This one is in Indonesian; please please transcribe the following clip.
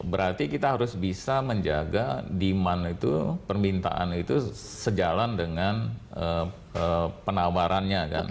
berarti kita harus bisa menjaga demand itu permintaan itu sejalan dengan penawarannya kan